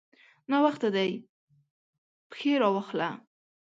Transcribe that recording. ناوخته دی؛ پښې راواخله.